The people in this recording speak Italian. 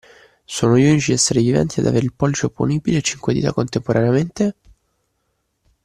Sono gli unici essere viventi ad avere il pollice opponibile e cinque dita contemporaneamente.